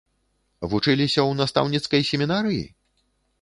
Вучыліся ў настаўніцкай семінарыі?